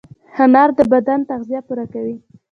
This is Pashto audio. انار د بدن تغذیه پوره کوي.